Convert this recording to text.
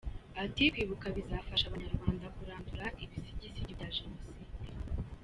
Ati “Kwibuka bizafasha Abanyarwanda kurandura ibisigisigi bya Jenoside.